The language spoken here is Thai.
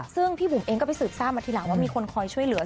ซึ่งพี่บุ๋มเองก็ไปสืบทราบมาทีหลังว่ามีคนคอยช่วยเหลือ